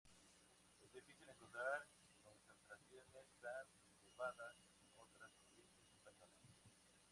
Es difícil encontrar concentraciones tan elevadas en otras provincias españolas.